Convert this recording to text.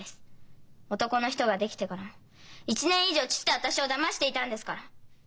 男の人が出来てからも１年以上父と私をだましていたんですから。